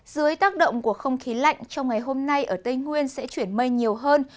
dưới tác động của không khí lạnh trong ngày hôm nay ở tây nguyên sẽ chuyển mây nhiều hơn